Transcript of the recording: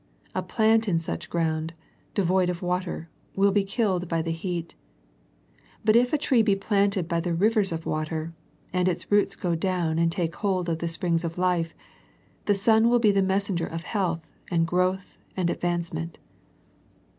A plant in such ground, devoid of water, will be killed by the heat ; but if a tree be planted by the rivers of water, and its roots go down and take hold of the springs of life, the sun will be the messenger of health and growth and advancement.